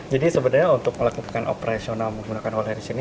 jadi sebenarnya untuk melakukan operasional menggunakan hololens ini